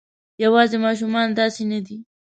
یواځې ماشومان داسې نه دي.